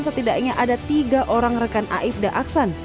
setidaknya ada tiga orang rekan aibda aksan